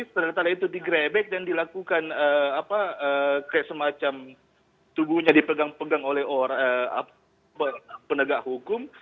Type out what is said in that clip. ternyata itu digrebek dan dilakukan semacam tubuhnya dipegang pegang oleh penegak hukum